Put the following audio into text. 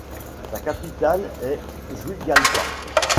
Sa capitale est Juigalpa.